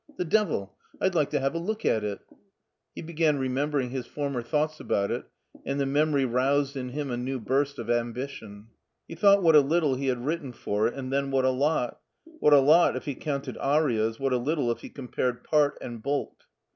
"The devil! I'd like to have a look at it." He began remembering his former thoughts about it, and the memory roused in him a new burst of ambition. He thought what a little he had written for it, and then what a lot ; what a lot if he counted arias, what a little if he compared part and bulk.